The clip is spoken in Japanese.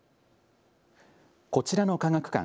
こちらの科学館。